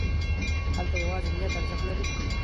هلته یوازې نیت ارزښت لري.